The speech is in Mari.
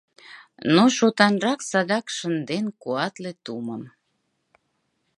Но шотанрак садак шынден Куатле тумым!